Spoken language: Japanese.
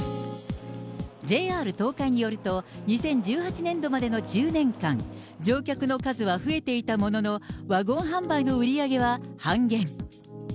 ＪＲ東海によると、２０１８年度までの１０年間、乗客の数は増えていたものの、ワゴン販売の売り上げは半減。